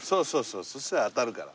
そしたら当たるから。